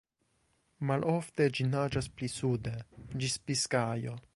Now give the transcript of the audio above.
Malofte ĝi naĝas pli sude, ĝis Biskajo.